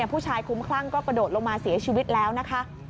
ผู้ชายคุ้มคลั่งก็กระโดดลงมาเสียชีวิตแล้วนะคะ